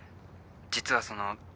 実はそのう。